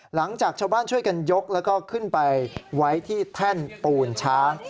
หลังจากชาวบ้านช่วยกันยกแล้วก็ขึ้นไปไว้ที่แท่นปูนช้าง